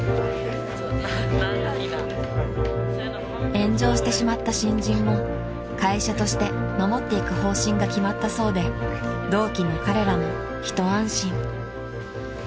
［炎上してしまった新人も会社として守っていく方針が決まったそうで同期の彼らも一安心］